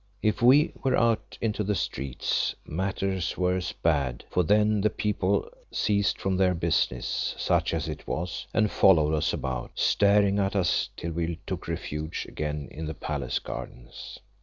If we went out into the streets, matters were as bad, for then the people ceased from their business, such as it was, and followed us about, staring at us till we took refuge again in the palace gardens.